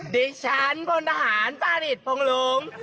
ดิฉันฝนทหารป้านิตพงรุ้ง